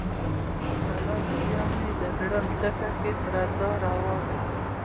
جلانه ! بیا مې د زړه ځمکه کې درزا روانه